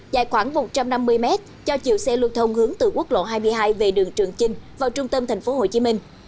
dài khoảng một trăm năm mươi mét cho chiều xe lưu thông hướng từ quốc lộ hai mươi hai về đường trường chinh vào trung tâm thành phố hồ chí minh